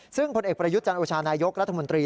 ซึ่งผลเอกประยุทธ์จันโอชานายกรัฐมนตรี